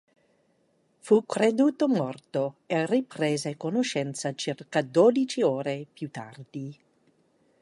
Fu creduto morto e riprese conoscenza circa dodici ore più tardi.